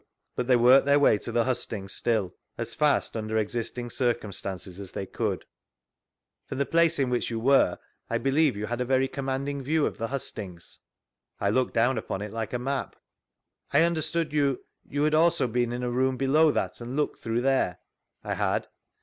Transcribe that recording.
— But they worked their way to the hust ings still, as fast, undtr existing circumstances, as they could. ji vGooglc STANLEY'S EVIDENCE 39 From the "place in which you were, I believe you had a very commanding view of the hustings P ~I looked down upon it like a map. I understood you, you had also been in a room below that, and looked through there?— I had.